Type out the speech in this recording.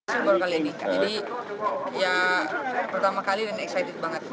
jadi ya pertama kali dan excited banget